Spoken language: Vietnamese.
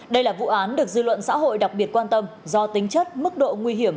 đây là vụ án được dư luận xã hội đặc biệt quan tâm do tính chất mức độ nguy hiểm